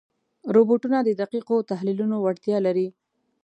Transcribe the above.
روبوټونه د دقیقو تحلیلونو وړتیا لري.